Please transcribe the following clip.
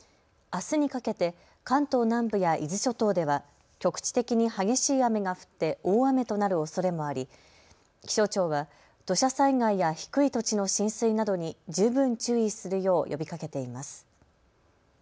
あすにかけて関東南部や伊豆諸島では局地的に激しい雨が降って大雨となるおそれもあり気象庁は土砂災害や低い土地の浸水などに十分注意するよう呼びかけています。